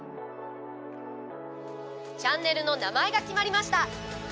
チャンネルの名前が決まりました。